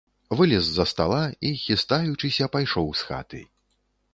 Вылез з-за стала і, хістаючыся, пайшоў з хаты.